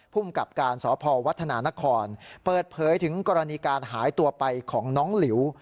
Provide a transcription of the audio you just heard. ภูมิกับการสพวัฒนานครเปิดเผยถึงกรณีการหายตัวไปของน้องหลิว